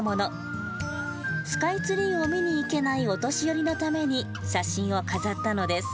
スカイツリーを見に行けないお年寄りのために写真を飾ったのです。